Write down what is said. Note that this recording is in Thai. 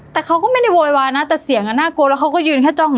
แต่เขาก็ไม่ได้โวยวายนะแต่เสียงน่ากลัวแล้วเขาก็ยืนแค่จ้อง